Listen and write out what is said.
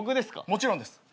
もちろんです。